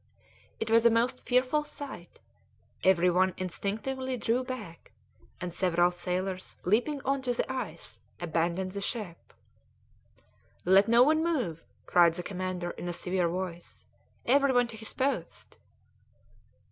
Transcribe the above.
It was a most fearful sight; every one instinctively drew back, and several sailors, leaping on to the ice, abandoned the ship. "Let no one move!" cried the commander in a severe voice. "Every one to his post!"